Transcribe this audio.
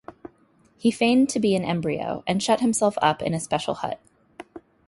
He feigned to be an embryo, and shut himself up in a special hut.